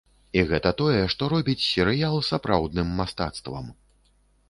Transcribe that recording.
І гэта тое, што робіць серыял сапраўдным мастацтвам.